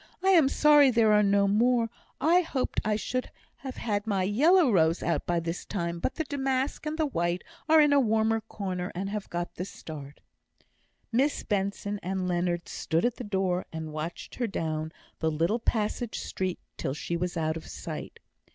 I am sorry there are no more; I hoped I should have had my yellow rose out by this time, but the damask and the white are in a warmer corner, and have got the start." Miss Benson and Leonard stood at the door, and watched her down the little passage street till she was out of sight.